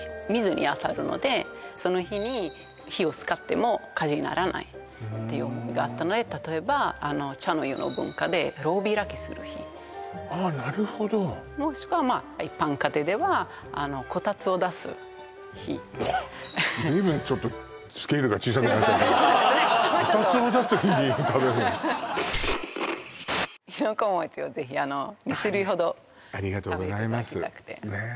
はいのでその日に火を使っても火事にならないっていう思いがあったので例えば茶の湯の文化で炉開きする日ああなるほどもしくは一般家庭ではこたつを出す日ずいぶんちょっともうちょっとこたつを出す日に食べる亥の子餅をぜひ２種類ほどありがとうございますねえ